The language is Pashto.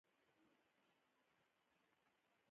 که د کاتولیکو د کلیسا خونړی تاریخ وپوښتې، همدا ځواب ورکوي.